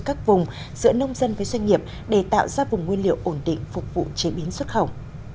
các vùng giữa nông dân với doanh nghiệp để tạo ra vùng nguyên liệu ổn định phục vụ chế biến xuất khẩu